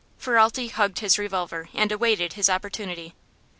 Ferralti hugged his revolver and awaited his opportunity.